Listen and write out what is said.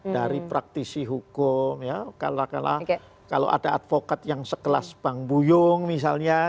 dari praktisi hukum ya kalau ada advokat yang sekelas bang buyung misalnya